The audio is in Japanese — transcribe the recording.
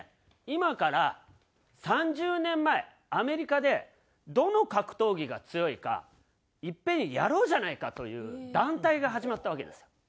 今から３０年前アメリカでどの格闘技が強いか一遍やろうじゃないかという団体が始まったわけですよ。